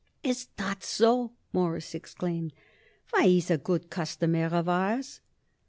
"Is that so?" Morris exclaimed. "Why, he's a good customer of ours."